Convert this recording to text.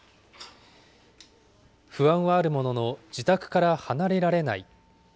不安はあるものの、自宅から離れられない。